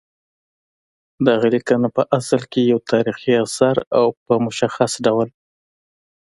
دغه لیکنه پع اصل کې یو تاریخي اثر او په مشخص ډول